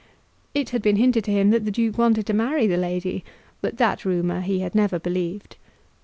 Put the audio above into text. It had been hinted to him that the Duke wanted to marry the lady, but that rumour he had never believed.